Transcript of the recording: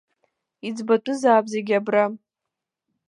Иӡбатәызаап зегь абра.